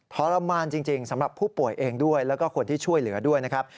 ทรมานจริงสำหรับผู้ป่วยเองด้วยแล้วก็คนที่ช่วยเหลือด้วยนะครับ